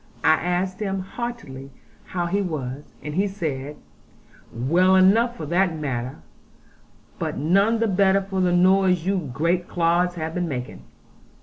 I asked him heartily how he was, and he said, 'Well enough, for that matter; but none the better for the noise you great clods have been making.'